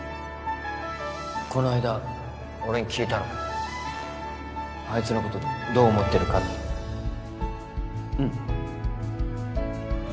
この間俺に聞いたろアイツのことどう思ってるかってうん